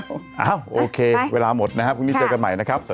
โอเคเวลาหมดนะครับพรุ่งนี้เจอกันใหม่นะครับ